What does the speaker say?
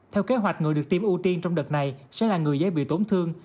theo kế hoạch người được tiêm ưu tiên trong đợt này sẽ là người dễ bị tổn thương